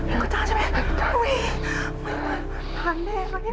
โอเคใช่ไหม